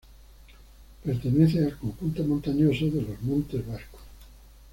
Pertenece al conjunto montañoso de los Montes Vascos.